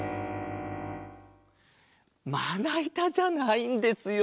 まないたじゃないんですよ。